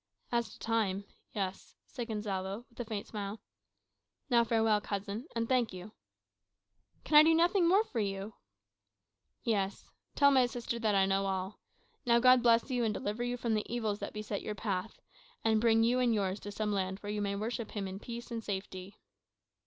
"As to time yes," said Gonsalvo, with a faint smile. "Now farewell, cousin; and thank you." "Can I do nothing more for you?" "Yes; tell my sister that I know all. Now, God bless you, and deliver you from the evils that beset your path, and bring you and yours to some land where you may worship him in peace and safety."